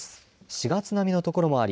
４月並みの所もあり